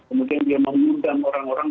kemudian dia mengundang orang orang